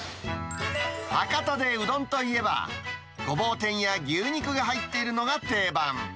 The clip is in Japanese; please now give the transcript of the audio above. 博多でうどんといえば、ごぼう天や牛肉が入っているのが定番。